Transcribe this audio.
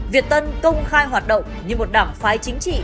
việt tân công khai hoạt động như một đảng phái chính trị